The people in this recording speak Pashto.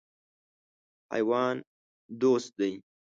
حیوان دوست دی.